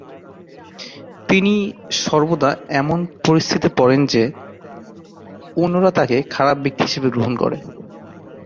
তিনি সর্বদা এমন পরিস্থিতিতে পড়েন যে অন্যরা তাকে খারাপ ব্যক্তি হিসাবে গ্রহণ করে।